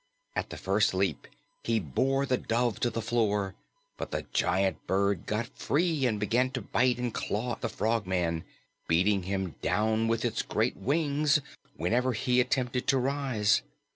At the first leap he bore the dove to the floor, but the giant bird got free and began to bite and claw the Frogman, beating him down with its great wings whenever he attempted to rise.